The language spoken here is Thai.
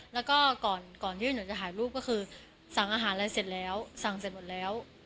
แล้วก็ก่อนที่หนูจะถ่ายรูปก็คือสั่งอาหารอะไรเสร็จแล้วสั่งเสร็จหมดแล้ว